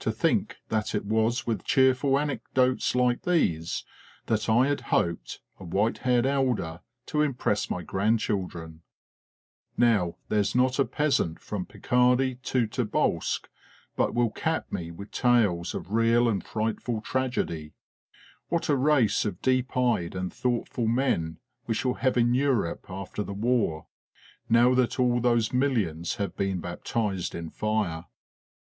To think that it was with cheerful anecdotes like these that I had hoped, a white haired elder, to im press my grand children ! Now there J s not a peasant from Picardy to Tobolsk but will cap me with tales of real and frightful tragedy. What a race of deep eyed and thoughtful men we shall have in Europe after the war now that all those millions have been baptized FORGOTTEN WARFARE 77 in fire!